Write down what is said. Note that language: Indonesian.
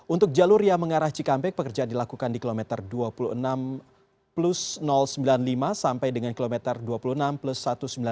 untuk jalur yang mengarah cikampek pekerjaan dilakukan di kilometer dua puluh enam plus sembilan puluh lima sampai dengan kilometer dua puluh enam plus satu ratus sembilan puluh